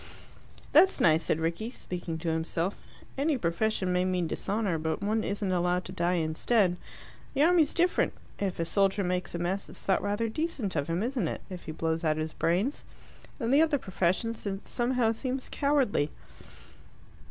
"That's nice," said Rickie, speaking to himself. "Any profession may mean dishonour, but one isn't allowed to die instead. The army's different. If a soldier makes a mess, it's thought rather decent of him, isn't it, if he blows out his brains? In the other professions it somehow seems cowardly."